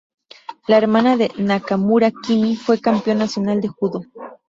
La hermana de Nakamura, Kimi, fue campeón nacional de judo.